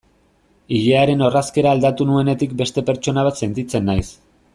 Ilearen orrazkera aldatu nuenetik beste pertsona bat sentitzen naiz.